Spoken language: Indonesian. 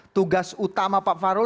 tugas utama pak fahrul